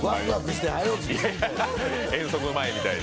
遠足の前みたいに。